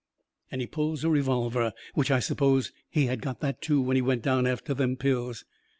And he pulls a revolver. Which I suppose he had got that too when he went down after them pills.